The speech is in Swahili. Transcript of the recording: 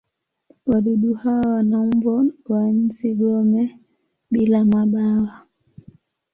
Wadudu hawa wana umbo wa nzi-gome bila mabawa.